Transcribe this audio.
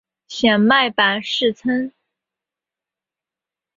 显脉柏氏参